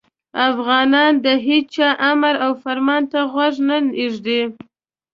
افغانان د هیچا امر او فرمان ته غوږ نه ږدي.